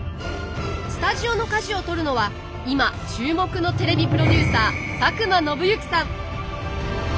スタジオの舵を取るのは今注目のテレビプロデューサー佐久間宣行さん。